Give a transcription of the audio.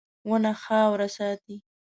• ونه خاوره ساتي.